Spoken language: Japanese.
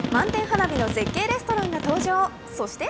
花火の絶景レストランが登場、そして